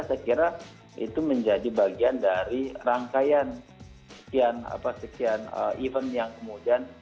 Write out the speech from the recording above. saya kira itu menjadi bagian dari rangkaian sekian sekian event yang kemudian